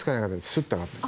スッと上がって。